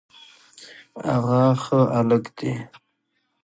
هغه ښه هلک دی